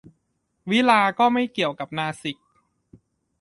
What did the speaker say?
วิฬาร์ก็ไม่เกี่ยวกับนาสิก